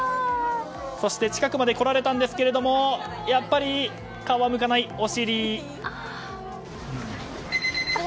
近くまで来られたんですけどもやっぱり顔は向かない、お尻。